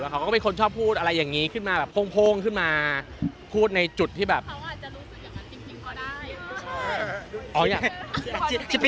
เขาก็มีคนชอบพูดอะไรอย่างนี้ขึ้นมาโพงขึ้นมาพูดในจุดที่แบบ